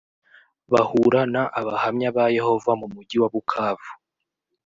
bahura n abahamya ba yehova mu mugi wa bukavu